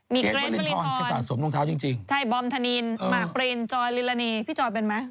มีเกรนเบอร์ลินทรใช่บอร์มทะนีนหมากปรีนจอยลิลาเนยพี่จอยเป็นไหม